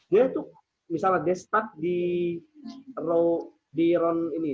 dia tuh misalnya dia start di